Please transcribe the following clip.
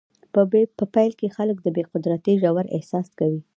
په پیل کې خلک د بې قدرتۍ ژور احساس کوي.